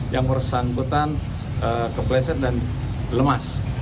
yang bersangkutan kepleset dan lemas